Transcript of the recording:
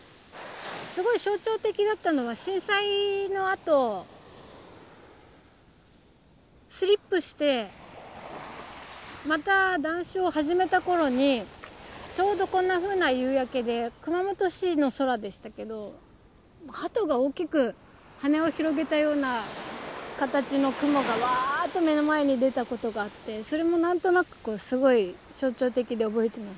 すごい象徴的だったのは震災のあとスリップしてまた断酒を始めた頃にちょうどこんなふうな夕焼けで熊本市の空でしたけどハトが大きく羽を広げたような形の雲がわっと目の前に出たことがあってそれも何となくすごい象徴的で覚えてますね。